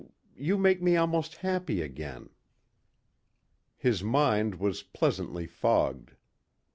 you make me almost happy again." His mind was pleasantly fogged.